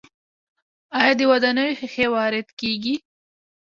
آیا د ودانیو ښیښې وارد کیږي؟